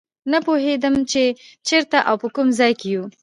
نه پوهېدم چې چېرته او په کوم ځای کې یو.